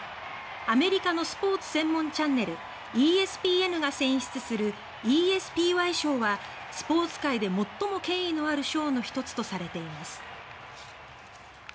アメリカのスポーツ専門チャンネルＥＳＰＮが選出するＥＳＰＹ賞はスポーツ界で最も権威のある賞の一つとされています。